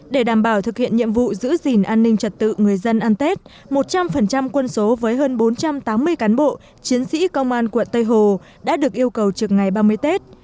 để đảm bảo thực hiện nhiệm vụ giữ gìn an ninh trật tự người dân ăn tết một trăm linh quân số với hơn bốn trăm tám mươi cán bộ chiến sĩ công an quận tây hồ đã được yêu cầu trực ngày ba mươi tết